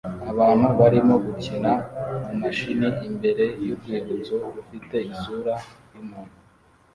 Abantu barimo gukina mumashini imbere yurwibutso rufite isura yumuntu